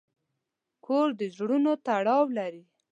کور د زړونو تړاو لري.